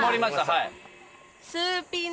はい。